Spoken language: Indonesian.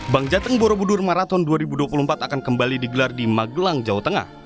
bank jateng borobudur marathon dua ribu dua puluh empat akan kembali digelar di magelang jawa tengah